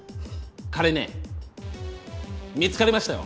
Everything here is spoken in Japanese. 彼ね見つかりましたよ。